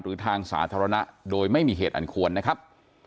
หรือทางสาธารณะโดยไม่มีเหตุอันควรนะครับ